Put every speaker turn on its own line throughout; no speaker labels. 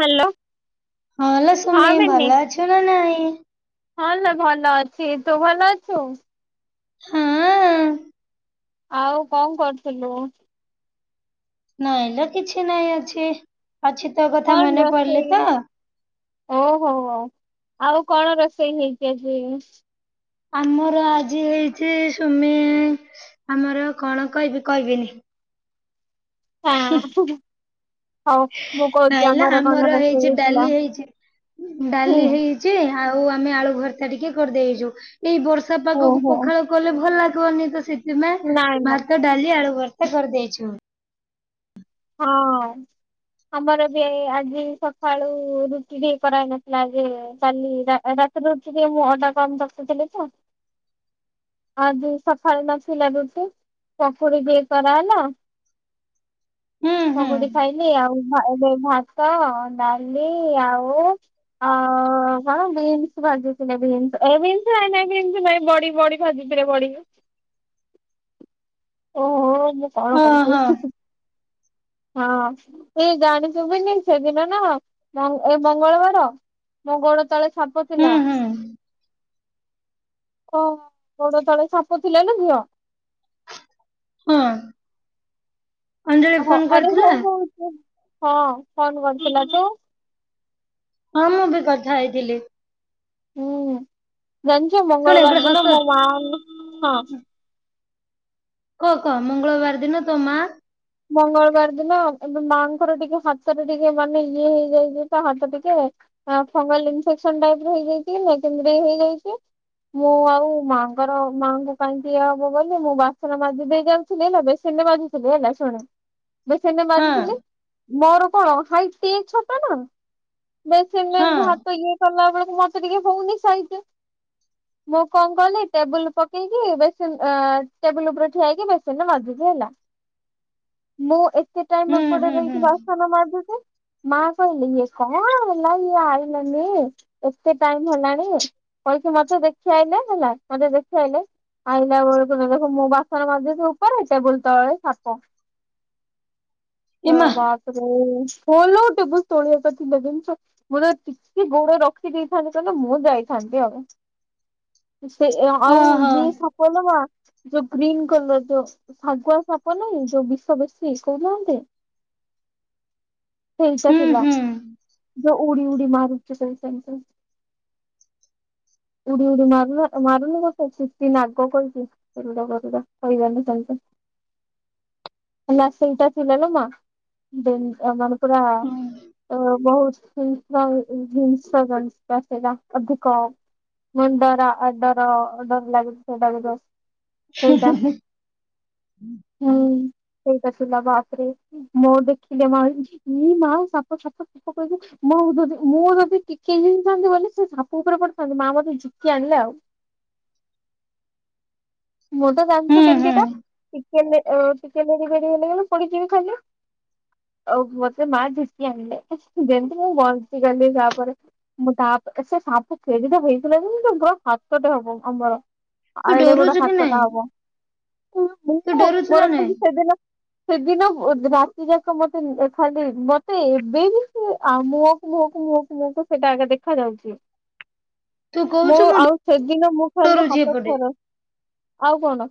Hello.
ହଁ ଲୋ ସୁମି ଭଲ ଅଛୁ ନା ନାଇଁ।
ହଁଲୋ ଭଲ ଅଛି ତୁ ଭଲ ଅଛୁ।
ହଁ।
ଆଉ କଣ କରୁଥୁଲୁ।
ନାଇଁ ଲୋ କିଛି ନାଇଁ ଅଛି। ଅଛି ତୋ କଥା
କଣ
ମନେ ପଡ଼ିଲି
ରୋଷେଇ
ତ
ଓହୋ ହଉ ଆଉ କଣ ରୋଷେଇ ହେଇଚି ଆଜି।
ଆମର ଆଜି ହେଇଛି ସୁମି ଆମର କଣ କହିବି କହିବିନି।
ହଁ ହଁ।
ନାଇଁଲା
କଣ
ଆମର
ରୋଷେଇ
ହେଇଛି
ହେଇଥିଲା
ଡାଲି ହେଇଛି
ହୁଁ
ଡାଲି ହେଇ ଚି ଆଉ ଆମେ ଆଳୁ ଭର୍ତା ଟିକେ କରିଦେଇଚୁ ଏଇ ବର୍ଷା ପାଗକୁ
ଓହୋ
ପଖାଳ କଲେ ଭଲ ଲାଗିବନି ତ ସେଥିପାଇଁ
ନାଇଁ ନାଇଁ
ଭାତ ଡାଲି ଆଳୁ ଭର୍ତ୍ତା କରିଦେଇଚୁ।
ହଁ। ଆମର ବି ଆଜି ସକାଳୁ ରୁଟି ଟିକେ କରାହେଇ ନଥିଲା ଯେ କାଲି ରା ରାତିରେ ଉଠି ଟିକେ ମୁଁ ଅଟା କମ ଚକିଟିଥିଲି ତ। ଆଦି ସକାଳ ନଥିଲା ରୁଟି ପକୁଡି ଟିକେ କରାହେଲା।
ହୁଁ। ହୁଁ।
ପକୁଡି ଖାଇଲି ଆଉ ଭା ଏବେ ଭାତ ଡାଲି ଆଉ ଆଉ କଣ ବିନ୍ସ ଭାଜି କଇଲେ ବିନସ ଏଇ ବିନସ ନାଇଁ ନାଇଁ ବିନସ ନାଇଁ ବଡି ବଡି ଭାଜି ଥିଲେ ବଡି। ଓହୋ ମୁଁ କଣ
ହଁ
କଉଚି
ହଁ
ଆସିକି। ହଁ ଏ ଜାଣି ଥିବିନି ସେଦିନ ନା ମ ଏ ମଙ୍ଗଳବାର। ମୋ ଗୋଡ ତଳେ ସାପ
ହୁଁ
ଥିଲା।
ହୁଁ
କୋଉ ଗୋଡ ତଳେ ସାପ ଥିଲା ଲୋ ଝିଅ।
ହଁ ଅଞ୍ଜଳି
ହଁ
ଫୋନ
ଆରେ
କରିଥିଲା।
ହଉ କହୁଛି ହଁ, ଫୋନ୍ କରିଥିଲା ତ।
ହଁ, ମୁଁ ବି କଥା ହେଇଥିଲି।
ହୁଁ, ଜାଣିଚ
ଶୁଣେ
ମଙ୍ଗଳବାର
ଗୋଟେ
ଦିନ
ହସ
ମୋ ମା ଆଉ ମୁଁ ହଁ।
କ କ ମଙ୍ଗଳବାର ଦିନ ତୋ ମା
ମଙ୍ଗଳବାର ଦିନ ଏବେ ମାଙ୍କର ଟିକେ ହାତରେ ଟିକେ ମାନେ ଇଏ ହେଇ ଯାଇଛି ତା ହାତ ଟିକେ। ଫଙ୍ଗାଲ ଇନଫେକ୍ସନ ଟାଇପ ର ହେଇଯାଇଛି। [unintelligible] ହେଇଯାଇଛି। ମୁଁ ଆଉ ମାଙ୍କର ମାଆଙ୍କୁ କାହିଁକି ଇଏ ହବ ବୋଲି ମୁଁ ବାସନ ମାଜି ଦେଇ ଯାଉ ଥିଲି ହେଲା। ବେସିନିରେ ମାଜୁଥିଲି ହେଲା। ଶୁଣ ବେସନ ରେ
ହଁ
ମଜୁ ଥିଲି ମୋର କଣ ହାଇଟ ଟିଏ ଛୋଟ ନା ବେଚନେ
ହଁ
ଭାତ ଇଏ କଳାବେଳୁ କୁ ମତେ ଟିକେ ହଉନି ସାଇତେ। ମୁଁ କଁ କଲି ଟେବୁଲ ପକେଇ କି ବେସିନ ଆଁ ଟେବୁଲ ଉପରେ ଠିଆଇକି ବେସିନରେ ମାଜିବି ହେଲା। ମୁଁ ଏତେ ଟାଇମ
ହୁଁ
ଉପଡେ
ହୁଁ ହୁଁ
ରହିକି ବାସନ ମାଜୁଚି ମା କହିଲେ ଇଏ କଣ ହେଲା ଇଏ ଆଇଲାନି ଏତେ ଟାଇମ୍ ହେଲାଣି କହିିକି ମତେ ଦେଖିଆଇଲେ ହେଲା ମତେ ଦେଖାଇଲେ ଆଉ ତାବେଳକୁ [unintelligible] ମୁଁ ବାସନ ମାଯୁଚି ଉପରେ ଟେବୁଲ ତଳେ ସା ପ
ଏମା
ୟଗାସ [unintelligible] ଓଲୋ ଟେବୁଲ୍ ତଳେ ଏଟା ଥିଲା କେମ୍ ଚ୍ ମୋର ଟିକେ ଗୋଡ ରଖି ଦେଇେଥାନ୍ତି ତାହେଲେ ମୁଁ ଯାଇଥାନ୍ତି ଆଉ। ଇସେ ଏଆ ଆଉ
ଓହୋ
ଯିଏ ସାପ କଲର ଯୋଉ ଗ୍ରୀନ କଲର ଯୋଉ ଶାଗୁଆ କ ପ ନାହିଁ ଯୋଉ ବିଷ ବେଶୀ କହୁ ନାହାନ୍ତି। ସେଇଟା
ହୁଁ
ଥିଲା।
ହୁଁ
ଯଉ ଉଡ଼ି ଉଡ଼ି ମାରଚି କହୁଚନ୍ତି ଉଡ଼ି ଉଡ଼ି ମାରଲ ଏ ମାରୁନି ମତେ ଚିତିନାଗ କୁଅନ୍ତି ଏଡୁଦା ବଦୁଦା ହେଇ ଗନି [unintelligible] ନା ସେଇଟା ଥିଲା ମା ଦେନ୍ ଏମାନ ପୁରା
ହୁଁ
ଅ ବହୁତ ହିଂସ୍ର ଜିନିଷ କରିଚ ତା ସେଇଦା ଅଧିକ ମୁଣ୍ଡରା ଅଡରା ଅଡର ଲାଗୁଚିତ [unintelligible]
ହୁଁ ହୁଁ ହୁଁ। ହୁଁ
ସେଇଟା ଥିଲା ବାପ ରେ ମୋ ଦେଖିଲେ ମା ମୁଁନା ସାପ ସାପ ସାପ କହିକି ମୁଁ ଯଦି ମୁଁ ଯଦି ଟିକେବି ଜାଲୋ ହେଲେ ସେ ସାପ ଉପରେ ପଡ ପଲି ମା ମତେ ଝିଙ୍କି ଆଣିଲେ ଆଉ। ମୁଁ ତ
ହୁଁ
ଜାଣଚି
ହୁଁ
କେମିତିଟା ଟିକେ ହେଲେ ଓ ଟିକେ ହେଲେ [unintelligible] ପଡିଯିବି ଖାଲି। ଆଉ ମତେ ମା ଝିଙ୍କି ଆଣିଲେ ଯେମତି ମୁଁ ବଞ୍ଚିଗଲି ତା ପରେ। ମୁଁ ତାପ ସେ ସାପ କେଡିଟା ହୋଇଥିଲା କି ତଗ ହାତଟେ ହବ ଆମର।
ତୁ
ଆଉ ଏଡେ ବଡ
ଡରୁଛୁ କି
ହାତ
ନାଇଁ
ଟା ହବ
ତୁ
ମୁଁମୋ
ଡରୁଛୁ ନା
ମୋର
ନାଇଁ
ସେଲି ସେଦିନ ସେ ଦିନ ଉଦ୍ ରାତି ଯାକ ମତେ ଖାଲି ମତେ ଏବେ ବି ସେ ଆଉ ମୋ ମୁଁହକୁ ମୁଁହକୁ ମୁହିଁକୁ ସେଇଟା ଆଗେ ଦେଖା ଯାଉଚି।
ତୁ
ମୁଁ
କହୁଛୁ
ଆଉ ସେଦିନ ମୁଁ କହିଲି
ଡରୁଛି
ହାତ
ଏପଟେ
ଥରେ ଆଉ କଣ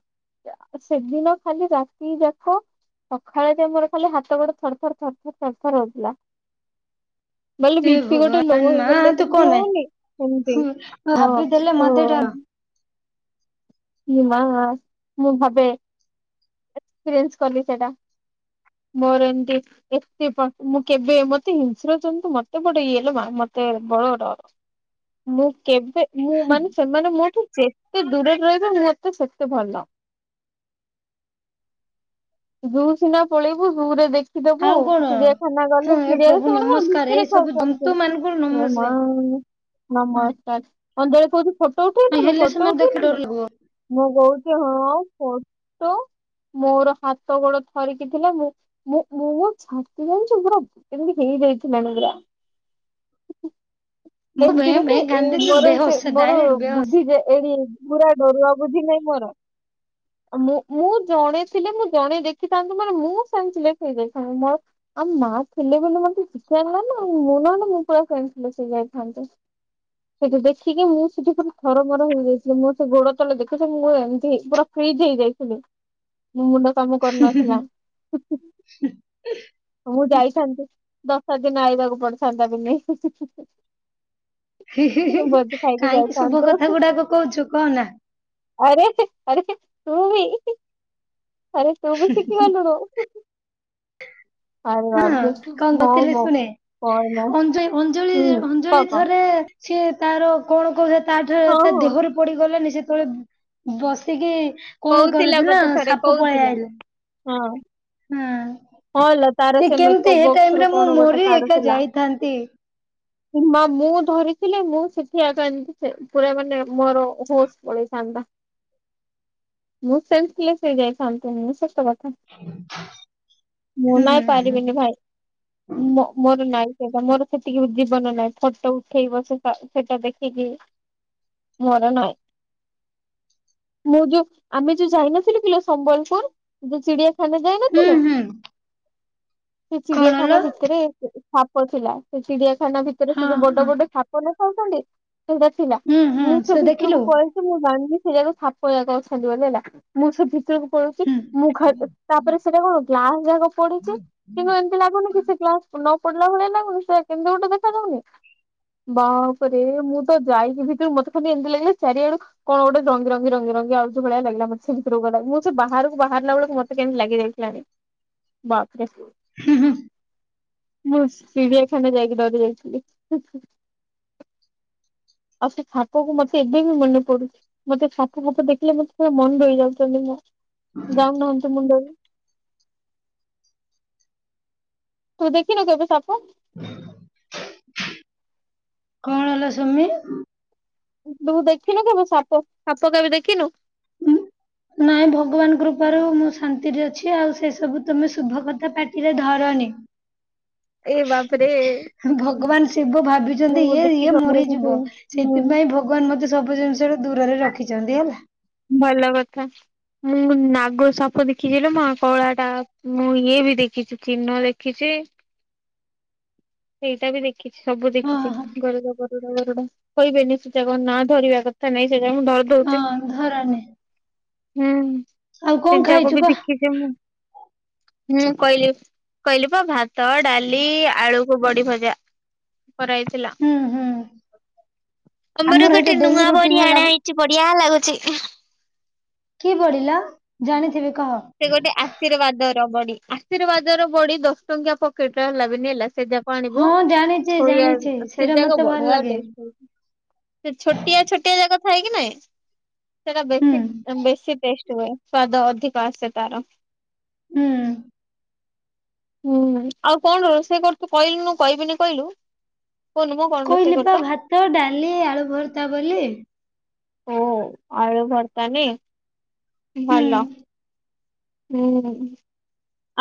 ସେ ଦିନ ଖାଲି ରାତି ଯାକ ସଖାଳେ ଯେ ମୋର ଖାଲି ହାତ ଗୋଡ ଥର, ଥର, ଥର, ଥର, ଥର, ଥର ହଉଥିଲା। ବେଲି
ହେ
ବିପି ଗୋଟେ ଲୋ
ଭଗବାନ ମା
ହେଇଗଲେ
ତୁ
ଯେମିତି
କହନା
ହଉନି ସେମିତି ହଁ
ଭାବିଦେଲେ
ଓ
ମତେ ଡର
ମୁଁ ମାଆ ମୁଁ ଭାବେ ଏକ୍ସପିରିଏନ୍ସ କଲି ସେଟା। ମୋର ଏମତି ଏତେ ପ ମୁଁ କେବେ ମତେ ହିଂସ୍ର ଜନ୍ତୁ ମତେ ବଡ ଇଓଲୋ ମା ମତେ ବଡ଼ ଡର। ମୁଁ କେବେ ମୁଁ ମାନେ ସେମାନେ ମୋଠୁ ଯେତେ ଦୂରରେ ରହିବେ ମତେ ସେତେ ଭଲ। ଜୁ ସିନା ପଳେଇବୁ ଜୁ ରେ ଦେଖ ଖିଦବୁ
ଆଉ କଣ
ଚିଡିଆଖାନା
ହଁ
ଗଲେ
ଏ
ଚିଡିଆରେ
ପ୍ରଭୁ
ସେମାନେ କଣ
ନମସ୍କାର ଏଇ
ଭିତରେ
ସବୁ ଜନ୍ତୁ
ଖାଉଛନ୍ତି
ମାନଙ୍କୁ
ଏ ମା
ନମସ୍କାର ହଁ
ନମସ୍କାର ଆ ବୋଉ କୋହୁଚି ଫୋଟୋ ଉଠଉଥଲୋ
ହେଲେ
ଫୋଟୋ
ସେମାନେ ଦେଖି ଡର
ଉଠେଇଥିଲୁ।
ଲାଗିବ
ମୁଁ କହୁଚି ହଁ ଫଟୋ ମୋର ହାତ ଗୋଡ ଥରିକି ଥିଲା ମୁଁ ମୁଁ ମୁଁମୋ ଛାତି ଜାଣିଚୁ ପୁରା କେମିତି ହେଇଯାଇଥିଲାଣି ପୁରା।
ମୁଁ ଭେଁ
ଏମିତିରେ ତ
ଭେଁ
ଏ
କାନ୍ଦିକି
ମୋର ସେ
ବେହୋସ
ମୋର
ଡାଇରେକ୍ଟ ବେହୋସ।
ବୁଦ୍ଧି ଯେ ଏଡି ପୁରା ଡରୁଆ ବୁଦ୍ଧି ନାଇଁ ମୋର। ଆ ମୁଁ ମୁଁ ଜଣେ ଥିଲେ ମୁଁ ଜଣେ ଦେଖିଥାନ୍ତୁ ମାନେ ମୁଁ ସେନ୍ସ ଲେସ୍ ହୋଇଯାଇଥାଏ। ମୋର ଆଉ ମା ଥିଲେ ବୋଲି ମତେ ଝିକ ଆଣିଲେ ନା ମୁଁ ନହେଲେ ମୁଁ ପୁରା ସେନ୍ସଲେସ୍ ହେଇଯାଇ ଥାନ୍ତି। ସେଇଠି ଦେଖିକି ମୁଁ ସେଠି ପୁରା ଥରମର ହେଇଯାଇଥିଲି। ମୋର ସେ ଗୋଡ ତଳେ ଦେଖାଯାଉନି ମୋ ଏମିତି ପୁରା ଫ୍ରିଜ ହେଇଯାଇଥିଲି ମୋ ମୁଣ୍ଡ କାମ କରୁନଥିଲା। ମୁଁ ଯାଇଥାନ୍ତି ଦଶ ଦିନ ଆଇବାକୁ ପଡିଥାନ୍ତା ଦିନେ।
ହି ହି ହି ହି
ଖାଇକି
କାହିଁକି ଶୁଭ କଥା
ଯାଇଥାନ୍ତୁ
ଗୁଡାକ କହୁଛୁ କହନା।
ଆରେ ଆରେ ତୁ ବି ଆରେ ତୁ ବି ଶିଖି ଗଲୁଣୁ।
ହଁ
ବାପରେ
କଣ
ହଁ
କରିଥିଲେ
ମୋ
ଶୁଣେ
କହନା
ଅଞ୍ଜ ଅଞ୍ଜଳି
ହୁଁ କହ
ଅଞ୍ଜଳି
କହ
ଥରେ ସିଏ ତାର କଣ କୋହୁଥୁଲା ତାଠେ
ହଁ
ତା
ହଁ
ଦେହରେ ପଡିଗଲେନି ସେତେବେଳେ ବସିକି କଣ
କହୁଥିଲା
କରୁଥୁଲା
ମତେ ଥରେ
ସାପ
କହୁଥିଲା
ପଳେଆଇଲା
ହଁ
ହଁ।
ହଁ ଲୋ ତାର ସେ
କେମିତି
ମେକପ
ଏ ଟାଇମ
ବକ୍ସରୁ
ରେ ମୁଁ
କଣ ଗୋଟେ
ମରି ଏକା
କାଢୁଥିଲା।
ଯାଇଥାନ୍ତି
ଏ ମାଆ ମୁଁ ଧରିଥିଲେ ମୁଁ ସେଠି ଏକା ଏମତି ସେ ପୁରା ମାନେ ମୋର ହୋସ୍ ପଳେଇଥାନ୍ତା। ମୁଁ ସେନ୍ସଲେସ୍ ହେଇଯାଇଥାନ୍ତିଣି ସତ କଥା। ମୁଁ
ହୁଁ
ନା
ହୁଁ
ପାରିବିନି ଭାଇ। ମୋ ମୋର ନାଇଁ ସେଟା ମୋର ସେତିକି ବି ଜୀବନ ନାଇଁ ଫଟୋ ଉଠେଇବ ସେତା ସେଟା ଦେଖିକି ମୋର ନାଇଁ ମୁଁ ଯୋଉ ଆମେ ଯେ ଯାଇନଥିଲୁ କିଲୋ ସମ୍ବଲପୁର ଯୋଉ ଚିଡିଆଖାନା
ହୁଁ
ଯାଇନଥିଲୁ
ହୁଁ
ସେ
କଣ
ଚିଡିଆଖାନା
ଲୋ
ଭିତରେ ସାପ ଥିଲା ସେ ଚିଡିଆଖାନା ଭିତରେ ସେ
ହଁ
ଯୋଉ ବଡ
ହଁ
ବଡ ସା ପ ନ ଥାଉଚନ୍ତି ସେଇଟା ଥିଲା
ହୁଁ ହୁଁ
ମୁଁ ସେ
ଦେଖିଲୁ
ଭିତରକୁ ପଳେଇ ଥିଲି ମୁଁ [unintelligible] ସେରା ତ ସାପରାକ ଅଛନ୍ତି ବୋଲି ହେଲା ମୁଁ ସେ ଭିତରୁକୁ ପଳୋଉଚି
ହୁଁ
ମୁଁ ଖା ଏ ତାପରେ ସେଟା କଣ ଗ୍ଲାସ ଯାକ ପଡିଚି କିନ୍ତୁ ଏମତି ଲାଗୁନି କି ସେ ଗ୍ଲାସ ନ ପଡିଲା ଭଳିଆ ଲାଗୁନି ସେ କେମତି ଗୋଟେ ଦେଖାଯାଉନି। ବାପରେ ମୁଁ ତ ଯାଇକି ଭିତରୁକୁ ମତେ ଖାଲି ଏମିତି ଲାଗିଲା ଚାରିଆଡୁ କଣ ଗୋଟେ ରଙ୍ଗି ରଙ୍ଗି ରଙ୍ଗି ରଙ୍ଗି ଆଉ କୋଉ ଭଳିଆ ଲାଗିଲା ମତେ ସେ ଭିତରକୁ ଗଲାବେଳୁ ମୁଁ ସେ ବାହାରକୁ ବାହାରିଲା ବେଳକୁ ମତେ କେମତି ଲାଗି ଯାଇଥିଲାଣି। ବାପରେ।
ହୁଁ ହୁଁ।
ମୁଁ ଚିଡିଆଖାନା ଯାଇକି ଡରି ଯାଇଥିଲି। ଆଉ ସେ ସାପକୁ ମତେ ଏବେ ବି ମନେ ପଡୁଛି। ମତେ ସାପ ଫାପ ଦେଖିଲେ ମତେ ତ ମନ ରହି ଯାଉଚନ୍ତି ମୁଁ ଯାଉନାହାନ୍ତି ମୁଣ୍ଡରୁ। ତୁ ଦେଖିନୁ କେବେ ସାପ?
କଣ ହେଲା ସୁମୀ?
ତୁ ଦେଖିନୁ କେବେ ସାପ ସାପ କେବେ ଦେଖିନୁ?
ନାଇଁ ଭଗବାନ କୃପାରୁ ମୁଁ ଶାନ୍ତିରେ ଅଛି ଆଉ ସେ ସବୁ ତମେ ଶୁଭ କଥା ପାଟିରେ ଧରନି।
ଏ ବାପରେ।
ଭଗବାନ ଶିବ ଭାବିଛନ୍ତି
ମୁଁ
ଇଏ
ଦେଖିକି
ଇଏ
ହୁଁ
ମରିଯିବ ସେଥିପାଇଁ ଭ ଭଗବାନ ମତେ ସବୁ ଜିନିଷରୁ ଦୂରରେ ରଖିଚନ୍ତି ହେଲା।
ଭଲ କଥା। ମୁଁ ନାଗ ସାପ ଦେଖିଚି ଲୋ ମା କଳାଟା ମୁଁ ଇଏ ବି ଦେଖିଚି ଚିହ୍ନ ଦେଖିଚି। ସେଇଟା ବି ଦେଖିଚି ସବୁ
ହଁ
ଦେଖିଚି
ହଁ
ଗରୁଡ ଗରୁଡ ଗରୁଡ। କେହିବେନି ସେ ତାଙ୍କ ନାଆ ଧରିବା କଥା ନାଇଁ ସେଟା ମୁଁ ଧ
ନା ଧରାଯାଏ।
ହୁଁ ସେଜାକୁ
ଖାଇଛୁ
ବି
କହ?
ଦେଖି ଏ ମୁଁ କହିଲି କହିଲି ପା ଭାତ, ଡାଲି, ଆଳୁ ଓ ବଡି ଭଜା କରାହେଇ ଥିଲା
ହୁଁ ହୁଁ
ଅମର
ଆମର ଏଇଟା
ଗୋଟେ
ଡେଲି
ନୁଆଁ
ରୁଟିନ
ବାଡ଼ି
ହେଲା
ଆଣା ଚି ବଢିଆ ଲାଗୁଛି।
କି ବଡି ଲୋ ଜାଣିଥିବି କହ।
ସେ ଗୋଟେ ଆଶୀର୍ବାଦର ବଡି ଆଶୀର୍ବାଦର ବଡି ଦଶ ଟଙ୍କିଆ ପକେଟରେ ହେଲା ବିନି ହେଲା ସେଇଟା ଆଣିବୁ
ହଁ ଜାଣିଛି
ଶୋୟା
ଜାଣିଛି
ଆ ସେ
ସେଇଟା
ଯାକ
ମତେ ଭଲ
ବଢିଆ
ଲାଗେ
ଟେଷ୍ଟ ହୋଉ ସେ ଛୋଟିଆ ଛୋଟିଆ ଜାକ ଥାଏକି ନାଇଁ? ସେଟା
ହୁଁ।
ବେଶୀ ବେଶୀ ଟେଷ୍ଟ ହୁଏ ସ୍ଵାଦ ଅଧିକ ଆସେ ତାର।
ହୁଁ।
ହୁଁ ଆଉ କଣ ରୋଷେଇ କରୁଛୁ କହିଲୁନୁ କହିବିନି କହିଲୁ। କହୁନୁ ମ କଣ ରୋଷେଇ
କହିଲ ପା
କରୁଛ?
ଭାତ, ଡାଲି, ଆଳୁ ଭର୍ତା ବୋଲି।
ଓ ଆଳୁ ଭର୍ତା ମି
ହୁଁ
ଭଲ। [unintelligible] ହୁ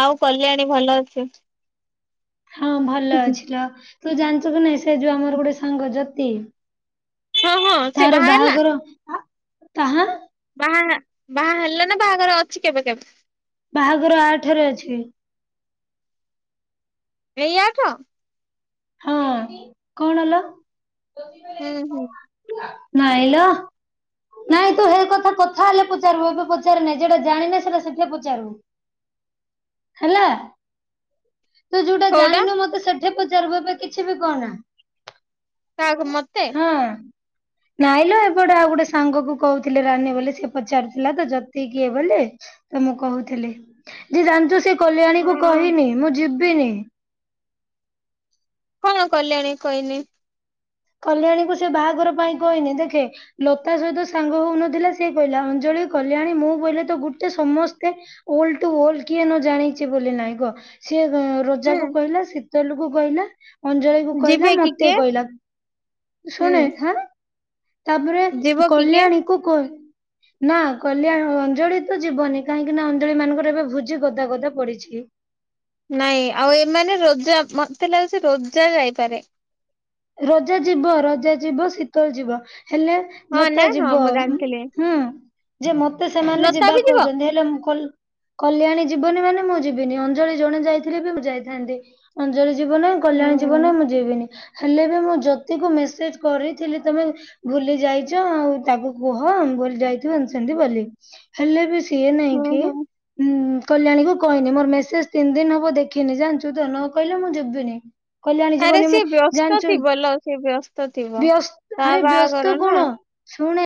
ଆଉ କଲ୍ୟାଣୀ ଭଲ ଅଛେ
ହଁ ଭଲ ଅଛିଲ ତୁ ଜାଣିଛୁ କି ନାଇଁ ସେ ଯ ଆମର ଗୋଟେ ସାଙ୍ଗ ଜ୍ୟୋତି।
ହଁ ହଁ ସେ
ତାର
ବାହା ହେଲା
ବାହାଘର ହ ତାହା
ବାହା ହେ ବାହା ହେଲା ନା ବାହାଘର ଅଛି କେବେ -କେବେ।
ବାହାଘର ଆଠେରେ ଅଛି।
ଏଇ ଆଠ।
ହଁ କଣ ହେଲା?
ହୁଁ, ହୁଁ।
ନାଇଁ ଲ ଅ ନାଇଁ ତୁ ହେଇ କଥା କଥା ହେଲେ ପଚାରିବୁ ଏବେ ପଚାରନା ଯଉଟା ଜାଣିନେ ସେଟା ସେଠି ପଚାରିବୁ। ହେଲା। ତୁ ଯୋଉଟା
କୋଉଟା
ଜାଣିନୁ ମତେ ସେଠି ପଚାରିବୁ ଏବେ କିଛି ବି କହନା।
କାହାକୁ ମତେ?
ହଁ।
[inaudible]
ନାଇଁଲ ଏପଟେ ଆଉ ଗୋଟେ ସାଙ୍ଗ କୁ କହୁଥିଲେ ରାନୀ ବୋଲି ସେ ପଚାରୁଥିଲା ତ ଜତି କିଏ ବୋଲି। ତ ମୁଁ କହୁଥିଲି ଯେ ଜାଣିଛୁ ସେ କଲ୍ୟାଣୀ କୁ
ହଁ।
କହିନି ମୁଁ ଯିବିନି।
କଣ କଲ୍ୟାଣୀ କହିନି।
କଲ୍ୟାଣୀକୁ ସେ ବାହାଘର ପାଇଁ କହିନି ଦେଖେ ଲତା ସହିତ ସାଙ୍ଗ ହଉନଥିଲା ସେ କହିଲା ଅଞ୍ଜଳି କଲ୍ୟାଣି ମୁଁ କହିଲେ ତ ଗୋଟେ ସମସ୍ତେ ଓଲଡ ଟୁ ଓଲଡ କିଏ ନ ଜାଣିଛି ବୋଲି ନାଇଁ କ ସିଏ ରୋଜା
ହୁଁ
କୁ କହିଲା ଶୀତଲ କୁ କହିଲା ଅଞ୍ଜଳି କୁ
ଯିବେ
କହିଲା
କି
ମତେ
କିଏ
କହିଲା।
ହୁଁ
ଶୁଣେ ହାଁ ତାପରେ
ଯିବ କି କିଏ?
କଲ୍ୟାଣୀକୁ କ ନା କଲ୍ୟାଣ ଅଞ୍ଜଳି ତ ଯିବନି କାହିଁକି ନା ଅଞ୍ଜଳି ମାନଙ୍କର ଏବେ ଭୋଜି ଗଦା- ଗଦା ପଡିଛି।
ନାଇଁ ଆଉ ଏମାନେ ରୋଜା ମତେ ଲାଗୁଛି ରୋଜା ଯାଇପାରେ।
ରୋଜା ଯିବ ରଜା ଯିବ ଶୀତଳ ଯିବ ହେଲେ
ହଁ ନା
ଲତା
ହଁ
ଯିବ
ମୁଁ ଜାଣିଥିଲି
ହୁଁ ଯେ ମତେ ସେମାନେ
ଲତା
ଯିବା
ବି ଯିବ?
କହୁଛନ୍ତି ହେଲେ ମୁଁ କଲ୍ କଲ୍ୟାଣୀ ଯିବନି ମାନେ ମୁଁ ଯିବିନି ଅଞ୍ଜଳି ଜଣେ ଯାଇଥିଲେ ବି ମୁଁ ଯାଇଥାନ୍ତି। ଅଞ୍ଜଳି ଯିବ ନାଇ
ହୁଁ
କଲ୍ୟାଣି ଯିବ ନା ମୁଁ ଯିବିନି। ହେଲେ ବି ମୁଁ ଜ୍ୟାତିକୁ ମେସେଜ କରିଥିଲି ତମେ ଭୁଲି ଯାଇଛ ଆଉ ତାକୁ କୁହ ଆମେ ଭୁଲି ଯାଇଥିବ ଏମିତି ସେମିତି ବୋଲି। ହେଲେ ବି ସିଏ ନାହିଁ
ହୁଁ
କି
ହୁଁ
ହୁଁ କଲ୍ୟାଣୀକୁ କହିନି ମୋର ମେସେଜ ତିନି ଦିନ ହବ ଦେଖିନି ଜାଣିଛୁ ତ ନ କହିଲେ ମୁଁ ଯିବିନି। କଲ୍ୟାଣି
ଆରେ
ଯିବନି ମୁଁ
ସିଏ ବ୍ୟସ୍ତ
ଜାଣିଚୁ
ଥିବ ଲୋ ସିଏ ବ୍ୟସ୍ତ ଥିବ।
ବ୍ୟସ୍
ତା
ଆରେ ବ୍ୟସ୍ତ
ବାହାଘର ନା
କଣ ଶୁଣେ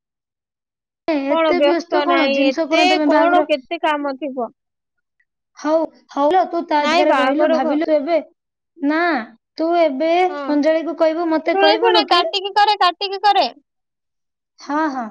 କଣ
ଏତେ
ବ୍ୟସ୍ତ
କଣ
ନାହିଁ
ଜିନିଷ
ଏତେ
ତମେ
କଣ
ବାହାଘର
କେତେ କାମ ଥିବ।
ହଉ ହଉଲୋ ତୁ
ନାଇଁ
ତାଜାଗାରେ ରହିଲୁ
ବାହାଘର ଘ
ଭାବିଲୁ ଏବେ ନା ତୁ ଏବେ
ହଁ
ଅଞ୍ଜଳି କୁ କହିବୁ ମତେ
ଶୁଣେ ଶୁଣେ
କହିବୁନୁ କି
କାଟିକି କରେ କାଟିକି କରେ।
ହଁ ହଁ।